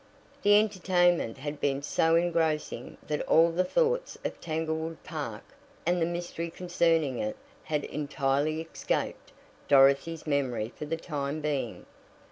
The entertainment had been so engrossing that all the thoughts of Tanglewood Park and the mystery concerning it had entirely escaped Dorothy's memory for the time being.